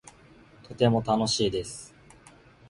とても楽しいです